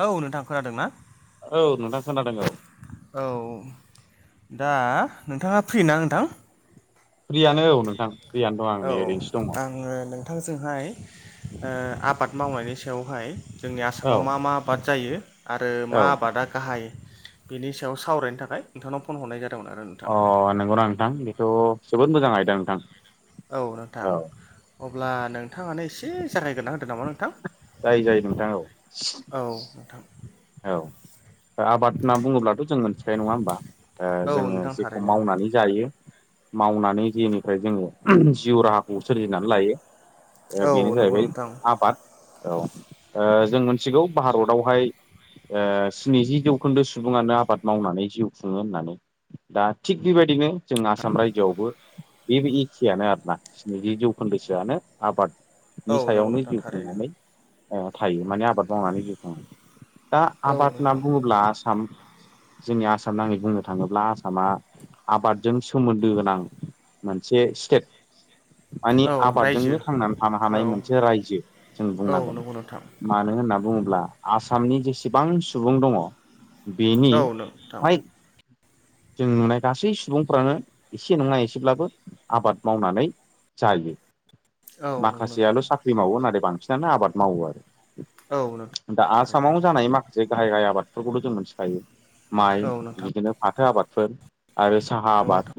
औ नोंथां खोनादोंना औ नोंथां खोनादों औ औ दा नोंथांङा फ्रि ना नोंथां फ्रियानो औ नोंथां फ्रियानो दं आं नै ओरैनोसो दंङो थांजोंहाय आबाद मावनायनि सायावहाय जोंनि औ आसामाव मा-मा आबाद जायो आरो मा औ आबादा गाहाय बेनि सायाव सावरायनो थाखाय नोंथांनाव फन हरनाय जादों अ नंगौनाा नोंथां बेथ' जोबोद मोजां आयदा नोंथां औ नोंथां अब्ला नोंथांङानो एसे जागायग्रोना होदो नामा नोंथां जायो जायो नोंथां औ औ नोंथां औ आबाद होनना बुंङोब्ला जों मोनथिखायो नङा होमबा औ जोंङो नोंथां जेखौ थारैनो मावनानै जायो मावनानै जेनिफ्राय जोङो जिउ राहाखौ सोरजिनानै लायो औ बेनो नंगौ जाहैबाय नोंथां आबाद औ जों मोनथिगौ भारतावहाय स्निजि जौखोन्दो सुबुंङानो आबाद मावनानै जिउ खुङो होननानै दा थिग बेबायदिनो जों आसाम रायजोआवबो बे एखेयानो आरोना स्निजि जौखोन्दोसोआनो आबाद औ नि नंगौ सायावनो नोंथां जिउ थारैनो खुंनानै थायो माने आबाद मावनानै जिउखाङो दा औ आबाद होनना नोंथां बुंङोब्ला आसाम जोंनि आसाम नांङै बुंनो थांङोब्ला आसामा आबादजों सोमोन्दो गोनां मोनसे स्टेट माने औ रायजो आबादजोंनो थांनानै थानो औ हानाय मोनसे रायजो जों औ बुंनांगोन नंगौ नोंथां मानो होनना बुंङोब्ला आसामनि जेसेबां सुबुं दंङ औ नोंथां जों नुनाय गासै सुबुंफ्रानो एसे नंङा एसेब्लाबो आबाद मावनानै जायो औ नंगौ नोंथां माखासेयाल साख्रि मावो नाथाय बांसिनानो आबाद मावो आरो औ दा नोंथां आसामाव जानाय माखासे गाहाय गाहाय आबादफोरखौथ जों मोनथिखायो माइ औ नोंथां बिदिनो फाथो आबाद फोर आरो साहा नंगौ आबाद नोंथां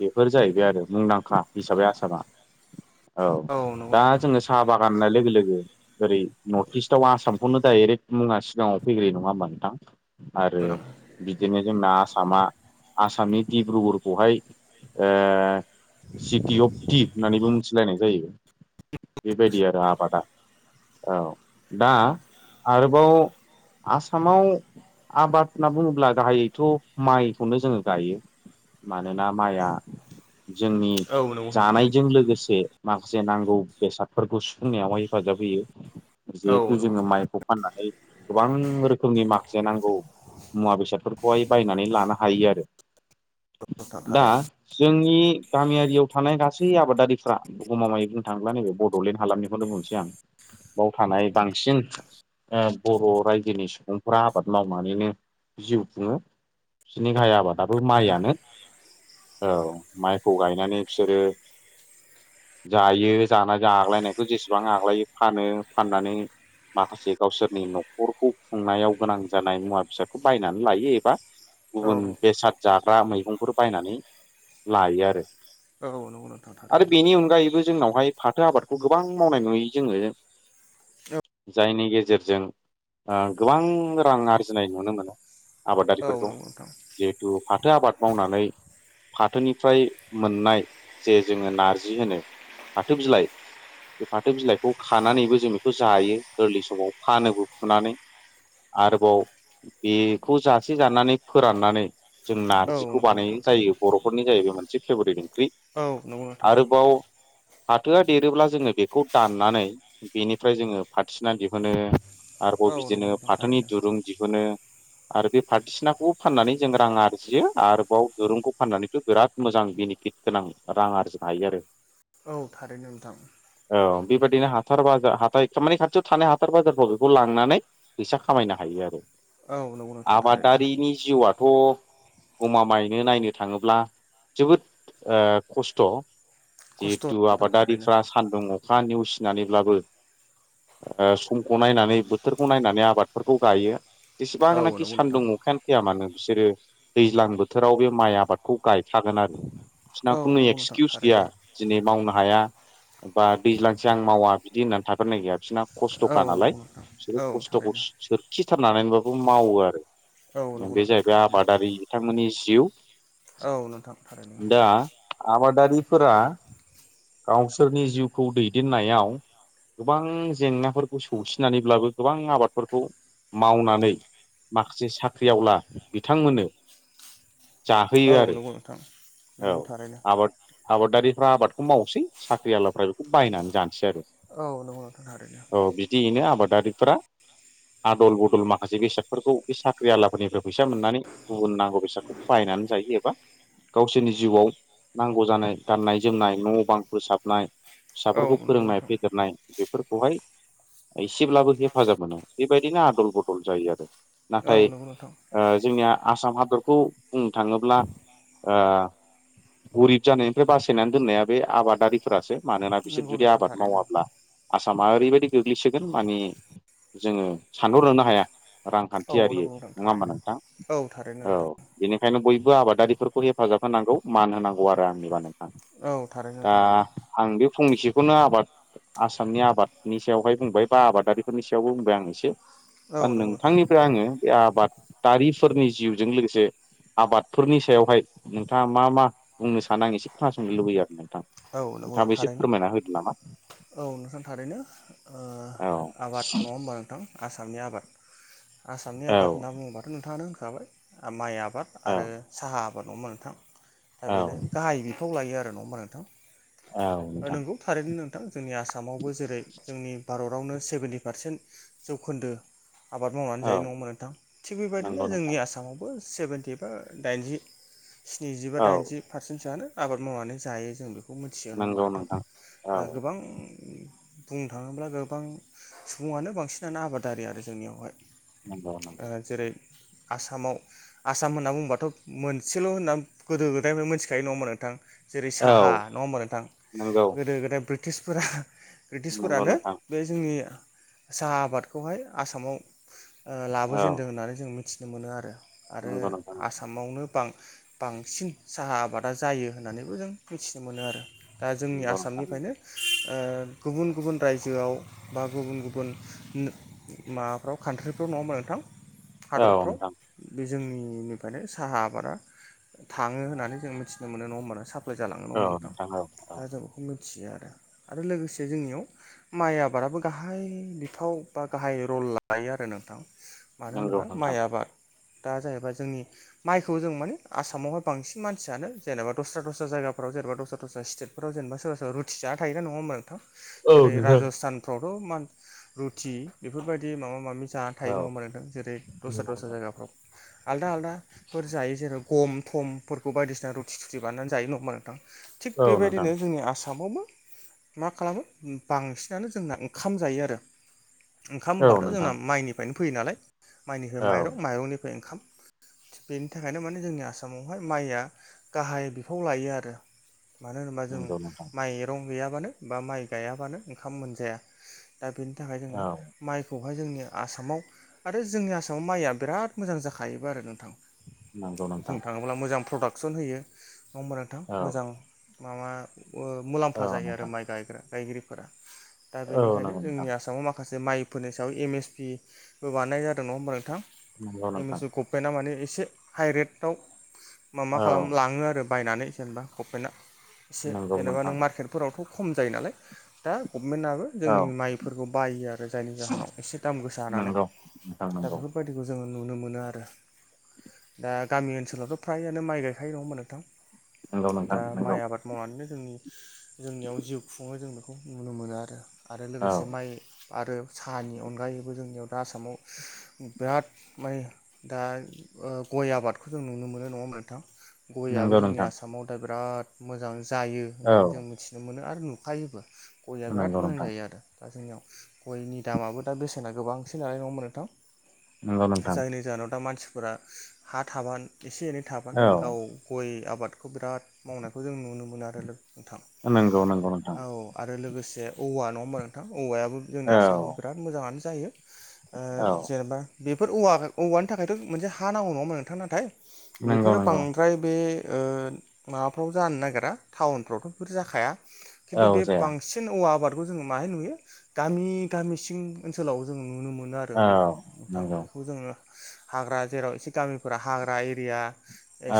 बेफोर जाहैबाय आरो मुंदांखा हिसाबै आसामा औ दा जोंङो साहा बागाननाय लोगो लोगो ओरै नर्थ इस्टआव आसामखौनो डाइरेक्ट मुङा सिगाङाव फैग्रोयो नंङा होमा नोंथां आरो नोंथां बिदिनो जोंना आसामा आसामनि दिडिब्रुगरखौहाय ओ सिटि अफ टि होननानै मो लायनाय जायो बेबायदि आरो आबादा औ दा आरोबाव आसामाव आबाद होनना बुंङोब्ला गाहायैथ माइखौनो जोंङो गायो मानोना माइआ जोंनि औ नंगौ नोंथां जानायजों लोगोसे माखासे नांगौ बेसादफोरखौ सुफुंनायावहाय हेफाजाब होयो औ जिहेथु नंगौ जोङो नोंथां माइ खौ फाननानै गोबां रोखोमनि माखासे नांगौ मुवा बेसादफोरखौहाय बायनानै लानो हायो आरो नोंथां दा थारैनो जोंनि गामियारियाव थानाय गासै आबादारिफ्रा गमामायै बुंनो थांङोब्ला नैबे बडलेण्ड हालामनिखौनो बुंनोसै आं बाव थानाय बांसिन ओ बर रायजोनि सुबुंफोरा आबाद मावनानैनो जिउ खुङो बिसोरनि गाहाय आबादाबो माइयनो औ माइखौ गायनानै बिसोरो जायो जानाय आग्लायनायखौ जेसेबां आग्लायो फानो फाननानै माखासे गावसोरनि नखरखौ खुंनायाव गोनां जानाय मुवा बेसादखौ बायनानै लायो एबा औ गुबुन बेसाद जाग्रा मैगंफोर बायनानै लायो आरो औ नोंगौ नोथां आरो थारैनो बेनि अनगायैबो जोंनावहाय फाथो आबादखौ गोबां मावनाय नुयो जोंङो औ जायनि गेजे गेजेरजों ओ गोबां रां आरजिनाय नुनो मोनो औ आबादारिफोरखौ नंगौ नोंथां जिहेथु फाथो आबाद मावनानै फाथोनिफ्राय मोननाय जे जोंङो नारजि होनो फाथो बिलाइ बे फाथो बिलाइखौ खानानैबो जों बेखौ जायो गोरलै समाव फानोबो फुनानै आरोबाव बेखौ जासे जानानै फोराननानै जों नार औ जिखौ नंगौ बानाय नोंथां जायो थारैनो बरफोरनि जाहै बे मोनसे फेभरेट ओंख्रि औ नंगौ नोंथां आरोबाव फाथोआ देरोब्ला जोंङो बेखौ दाननानै बेनिफ्राय जोंङो फाथिना दिहुनो आरोबाव औ नंगौ बिदिनो नोंथां फाथोनि थारैनो दुरुं दिहुनो आरो बे फाथोसिनाखौ फाननानै जों रां आरजियो आरोबाव दोरुंखौ फाननानैथ बिराद मोजां बि बिनि फित गोनां रां आरजिनो हायो आरो औ थारैनो नोंथां [inaudible] औ बेबायदिनो हाथार बाजार हाथाय माने खाथियाव थानाय हाथार बाजार बेखौ लांनानै फैसा खामायनो हायो आरो औ नंगौ नोंथां थारैनो आबादारिनि जिउआथ गमा मायनो नायनो थाङोब्ला जोबोद ओ खस्थ' खस्थ' जिहेथु नोंथां थारैनो आबादारिफ्रा सान्दुं अखा नेवसिनानैब्लाबो ओ समखौ नायनानै बोथोरखौ नायनानै आबादफोरखौ गायो औ जेसेबांनाखि नंगौ नोंथां सानदुं अखायानो फैया मानो बिसोरो दैज्लां बोथोराव बे माइ आबादखौ गायखागोन आरो बिसिना औ खुनु नंगौ नोंथां एक्सकिउस गैया थारैनो दिनै मावनो हाया बा दैज्लांसो आं मावा बिदि होननानै थागोननाय गैया बिसोरनाव खस्थ'खा औ नालाय नंगौ नोंथां बिसोरो औ खस्थ'खौ थारैनो सोरखि थारनानैबाबो मावो औ आरो नंगौ बे नोंथां जाहैबाय थारैनो आबादारि बिथांमोननि जिउ औ नोंथां थारैनो दारिफोरा गावसोरनि जिउखौ दैदेननायाव गोबां जेंनाफोरखौ सौसिनानैब्लाबो गोबां आबादफोरखौ मावनानै माखासे साख्रिआवला बिथांमोननो जाहोयो औ आरो नंगौ नोंथां नंगौ औ थारैनो आबाद आबादारि फ्रा आबादखौ मावसै साख्रि आलाफ्रा बेखौ बायनानै जानोसै आरो औ नंगौ नोंथां थारैनो औ बिदियैनो आबादारिफोरा आदल बदल माखासे बेसादफोरखौ बे साख्रि आलाफोरनिफ्राय फैसा मोननानै गुबुन नांगौ बेसादखौ बाहायनाय नानै जायो एबा गावसोरनि जिउआव नांगौ जानाय गाननाय जोमनाय न' बां फोसाबनाय औ फिसाफोरखौ नंगौ फोरोंनाय नोंथां फेदेरनाय बे खौहाय एसेब्लाबो हेफाजाब मोनो बेबायदिनो आदल बदल जायो आरो। औ नाथाय नंगौ नोंथां ओ जोंनिया आसाम हादर खौ बुंनो थाङोब्ला ओ गरिब जानायनिफ्राय बासायनानै दोननाया बे आबादारिफोरासो मानोना बिसोर नंगौ जुदि नोंथां आबाद थारैनो मावाब्ला आसामा ओरैबायदि गोग्लैसोगोन माने जोङो सानहरनोनो हाया औ रांखान्थियारियै नंगौ नोंथां नङा होमबा थारैनो नोंथां औ थारैनो औ नोंथां बेनि खायनो बयबो आबादारिफोरखौ हेफाजाब होनांगौ मान होनांगौ आरो आंनिबा नों औ थारैनो दा नोंथां नंगौ आं बे फंनैसोखौनो आबाद आसामनि आबादनि सायावहाय बुंबाय बा आबादारिफोरनि सायावबो बुंबाय आं एसे औ दा नंगौ नोंथां नोंथांनिफ्राय आङो बे आबादारिफोरनि जिउजों लोगोसे आबादफोरनि सायावहाय नोंथाङा मा मा बुंनो सानो आं एसे खोनासंनो लुबैयो आरो नों थां औ नंगौ नोंथाङाबो एसे थारैनो फोरमायना होदो नामा? औ नोंथां थारैनो ओ औ आबाद नङा होमबा नोंथां आसामनि आबाद आसामनि औ आबाद होनना बुङोबाथ' नोंथाङानो होनखाबाय ओ माइ आबाद औ आरो साहा आबाद आबाद नङा होमबा नोंथां। दा औ बेनो गाहाय बिफाव लायो आरो नङा होमबा नोंथां? औ ओ नोंथां नंगौ थारैनो नोंथां जोंनि आसामावबो जेरै जोंनि भारत हादरावनो सेभेन्टि पारसेन्ट जौखोन्दो आबाद मावनानै औ जायो नङा होमबा नोंथां थिग बेबायदिनो नंगौ जोंनि नोंथां आसामावबो सेभेन्टि बा दाइनजि स्निजि बा औ दाइनजि पारसेन्टसोआनो आबाद मावनानै जायो जों बेखौ मोनथियो नङा होमबा नोंथां औ गोबां बुंनो थाङोब्ला गोबां सुबुङानो बांसिनानो आबादारि आरो जोंनियावहाय नंगौ नंगौ। जेरै आसामाव आसाम होनना बुङोबाथ' मोनसेल' होनना गोदो गोदायफ्राय मोनथिखायो नङा होमबा नोंथां। जेरै औ साहा नङा होमबा नोंथां नंगौ गोदो गोदाय ब्रिटिशफोरा नंगौ ब्रिटिशफोरानो नोंथां बे जोंनि साहा आबादखौहाय आसामाव ओ औ लाबोजेनदों होननानै जों मिथिनो मोनो आरो आरो नंगौ नोंथां आसामावनो बां बांसिन साहा आबादा जायो होननानैबो जों मिथिनो मोनो आरो दा जोंनि नंगौ नोंथां आसामनिफायनो ओ गुबुन गुबुन रायजोआव बा गुबुन गुबुन माबाफ्राव कान्ट्रिफ्राव नङा होमबा नोंथां औ हादरफ्राव नोंथां जोंनिफ्रायनो साहा आबादा थाङो होननानै जों मिथिनो मोनो नङा होमब्ला नो साप्लाय जाब नङा औ होमबा नोंथां। औ औ दा जों बेखौ। [unintelligible] आरो लोगोसे जोंनियाव माइ आबादाबो गाहाय बिफाव बा गाहाय र लायो आरो नोंथां मानो नंगौ होनोबा माइ नोंथां आबाद दा जाहैबाय जोंनि माइखौ जों माने आसामावहाय बांसिन मानसियानो जेनेबा दस्रा दस्रा जायगा फोराव जेनबा दस्रा दस्रा स्टेटफ्राव जेनबा सोरबा सोरबा रुटि जाना थायो नङा होमबा नोंथां औ जेरै नोंथां राज'स्थानफ्राव [unintelligible] रुथि बेफोर बायदि माबा माबि जाना थायो औ नङा होनबा नोंथां जेरै दस्रा नंगौ दस्रा नोंथां जायगाफ्राव आलदा आलदाफोर जायो। जेराव गम थमफोरखौ बायदिसिना रुथि थुथि बानायनानै जायो नङा होमबा नोंथां थिग औ नोंथां बेबायदिनो जोंनि आसाम माव मा खालामो बांसिनानो जोंना ओंखाम जायो आरो ओंखाम औ होनबाथ' नोंथां जोंना माइनिफ्रायनो फैयो नालाय माइनिफ्राय औ माइरं माइरंनिफ्राय ओंखाम। थिग बेनि थाखायनो माने जोंनि आसामावहाय माइया गाहाय बिफाव लायो आरो। मानो होनोबा जों नंगौ नोंथां माइरं गैयाबानो बा माइ गायाबानो ओंखाम मोनजाया। दा बेनि थाखाय जोङो औ माइखौ बेवहाय जोंनि आसामाव आरो जोंनि आसामाव माइया बिराद मोजां जाखायोबो आरो नोंथां नंगौ नोंथां बुंनो थाङोब्ला मोजां प्रडाक्सन होयो नङा होनबा नोंथां औ मोजां माबा ओ- औ मुलाम्फा जायो आरो नोंथां माइ गायग्रा गायगिरिफोरा दा औ बेनिखायनो नंगौ नोंथां जोंनि आसामाव माखासे माइफोरनि सायाव एम एस पिबो बानायनाय जादों नङा होमबा नोंथां नंगौ एम नोंथां एस इ गभमेन्टआ माने एसे हाइ रेटाव माबा औ खालाम लाङो आरो बायनानै जेनेबा गभमेन्टआ एसे नंगौ जेनेबा नों नोंथां मार्केटफोरावथ' खम जायो नालाय दा गभमेन्टआबो औ जोंनि माइफोरखौ बायो आरो जायनि जाहोनाव एसे दाम गोसा होनानानै नंगौ नोंथां दा नंगौ बेफोरबायदिखौ जोङो नुनो मोनो आरो दा गामि ओनसोलावथ' फ्रायानो माइ गायखायो नङा होनबा नोंथां नंगौ नोंथां दा नंगौ माइ आबाद मावनानैनो जोंनि जोंनियाव जिउ खुङो जों बेखौ नुनो मोनो आरो आरो औ लोगोसे माइ आरो साहानि अनगायैबो जोंनियाव दा आसामाव बिराद माने दा ओ गय आबादखौ जों नुनो मोनो नोंथां गयाबो नंगौ जोंनि नोंथां आसाम बिराद मोजां जायो औ होननानै जों मिथिनो मोनो आरो नुखायोबो गया बिराद नंगौ मोजां नोंथां जायो आरो दा जोंनियाव गयनि दामाबो दा बेसेना गोबांसिन नालाय नङा होनबा नोंथां नंगौ नोंथां जायनि जाहोनाव दा मानसिफोरा हा थाबा एसे एनै थाबानो औ गाव गय आबादखौ बिराद मावनायखौ जों नुनो मोनो आरो नोंथां नंगौ नंगौ नोंथां औ आरो लोगोसे औवा नङा होमबा नोंथां औवायाबो जोंनि औ आसामाव बिराद मोजाङानो जायो औ ओ जेनेबा बेफोर औवा औवानि थाखायथ' मोनसे हा नांगौ नङामोन नोंथां नाथाय नंगौ बेफोरो नंगौ बांद्राय बे ओ माबाफ्राव जानो नागिरा टाउनफ्रावथ' बेफोर जाखाया औ खिन्थु बे जाया बांसिन औवा आबाद खौ जोङो माहाय नुयो गामि गामिसिं ओनसोलाव जों नुनो मोनो मोनो आरो औ नोंथां नंगौ बेखौ जोङो हाग्रा जेराव एसे गामिफोरा हाग्रा एरिया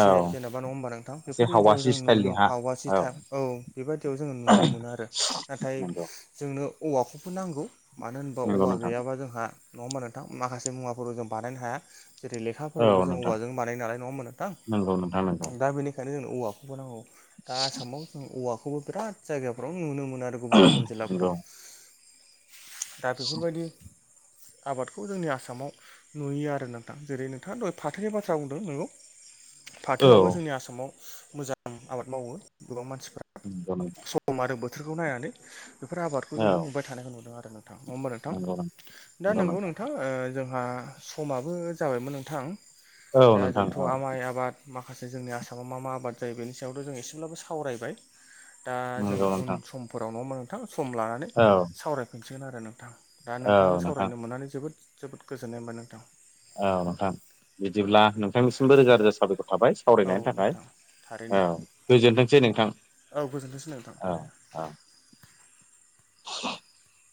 औ जेनेबा नङा होमबा नोंथां एसे बेफोर एरियायाव हावासि जों स्टाइलनि नुनो हा हावासि थायब औ बेबाददियाव जोंङो नुनो मोनो आरो नाथाय नंगौ जों नो औवाखौबो नांगौ मानो होनबा नंगौ औवा नोंथां गैयाबा जोंहा नङा होमबा नोंथां माखासे मुवाफोरखौ जों बानायनो हाया जेरै औ लेखाफोरखौबो जों नोंथां औवाजों बानाय नालाय नङा होनबा नंगौ नंगौ नोंथां दा बेनिखायनो जोंनो औवाखौबो नांगौ दा आसामाव जों औवाखौबो बिराद जायगाफ्राव नुनो मोनो आरो गुबुन गुबुन नंगौ जिल्लाफोराव दा बेफोरबायदि आबादखौ जोंनि आसामाव नुयो आरो नोंथां जेरै नोंथाङा दहाय फाथोनि बाथ्रा बुंदों नोंगौ औ फाथोआबो जोंनि आसामाव मोजां आबाद मावो गोबां मानसि [unintelligible] बोथोरखौ नायनानै बेफोर आबादखौ औ जोङो नुबाय थानायखौ नुदों आरो नोंथां नङा होमबा नोंथां दा नोंगौ नोंथां ओ- जोंहा समाबो जाबायमोन नोंथां औ दा नोंथां जोंथ' औ आमाइ आबाद माखासे जोंनि आसामाव मा-मा आबाद जायो बेनि सायावथ' जों एसेब्लाबो सावरायबाय। दा जों नंगौ उन नोंथां समफोराव नङामा? नोंथां सम लानानै औ सावरायफिनसिगोन आरो नोंथां। दा औ नोंथांनो नोंथां सावरायनो मोननानै जोबोद-जोबोद गोजोननाय मोनबाय नोंथां। औ नोंथां बिदिब्ला नोंथांनिसिमबो रोजा-रोजा साबायखर। थाबाय औ सावरायनायनि थाखाय नोंथां थारैनो औ गोजोनथोंसै नोंथां। औ गोजोन्थोंसै नोंथां औ थारैनो। औ [unintelligible]